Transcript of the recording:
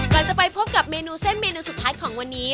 ก่อนจะไปพบกับเมนูเส้นเมนูสุดท้ายของวันนี้